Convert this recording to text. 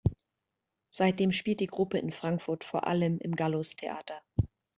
Seitdem spielt die Gruppe in Frankfurt vor allem im Gallus Theater.